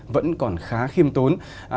vẫn còn khá khiêm tốn